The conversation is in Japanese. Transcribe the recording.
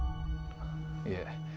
いえ